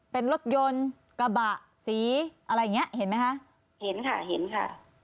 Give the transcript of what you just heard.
เป็นรถยนต์กระบะสีอะไรอย่างเงี้ยเห็นไหมคะเห็นค่ะเห็นค่ะ